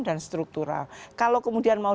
dan struktural kalau kemudian mau